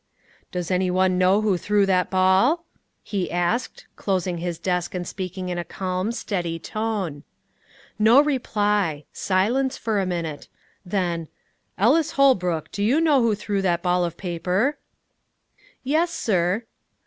"Does any one know who threw that ball?" he asked, closing his desk and speaking in a calm, steady tone. No reply, silence for a minute. Then, "Ellis Holbrook, do you know who threw that ball of paper?" "Yes, sir."